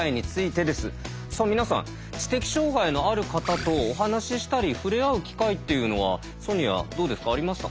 さあ皆さん知的障害のある方とお話ししたり触れ合う機会っていうのはソニアどうですかありましたか？